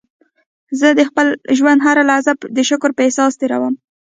زه د خپل ژوند هره لحظه د شکر په احساس تېرووم.